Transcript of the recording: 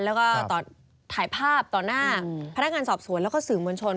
แล้วก็ถ่ายภาพต่อหน้าพนักงานสอบสวนแล้วก็สื่อมวลชน